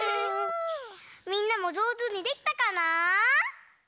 みんなもじょうずにできたかなあ？